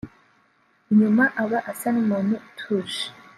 Inyuma aba asa n’umuntu utuje